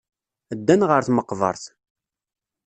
Ddan ɣer tmeqbert.